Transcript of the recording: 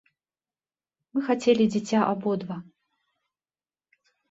Мы хацелі дзіця абодва.